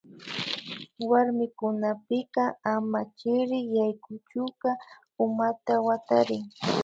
Warmikunapika ama chirik yaykuchuka umata watarin